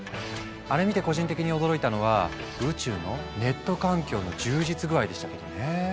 あれ見て個人的に驚いたのは宇宙のネット環境の充実具合でしたけどね。